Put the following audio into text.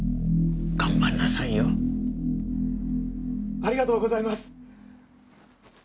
ありがとうございます！